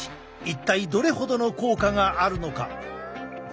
一体どれほどの効果があるのか？